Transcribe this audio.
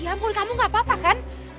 ya ampun kamu gak apa apa kan